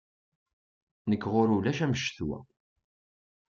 Nekk ɣur-i ulac am ccetwa.